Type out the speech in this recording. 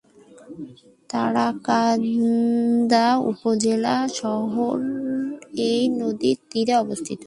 তারাকান্দা উপজেলা শহর এই নদীর তীরে অবস্থিত।